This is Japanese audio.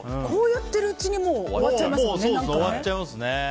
こうやってるうちにもう終わっちゃいますよね。